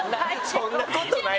そんなことないでしょ